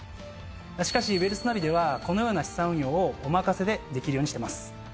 しかし「ウェルスナビ」ではこのような資産運用をお任せでできるようにしてます。